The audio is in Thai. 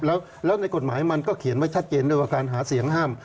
แล้วในกฎหมายมันก็เขียนไว้ชัดเจนด้วยว่าการหาเสียงห้าม